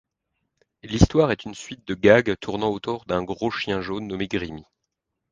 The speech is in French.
L'histoire est une suite de gags tournant autour d'un gros chien jaune, nommé Grimmy.